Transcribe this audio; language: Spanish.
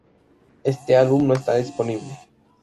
Este álbum no está disponible.